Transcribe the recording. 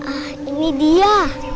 ah ini dia